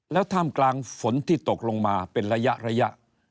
แล้วท่ามกลางฝนที่ตกลงมาเป็นระยะ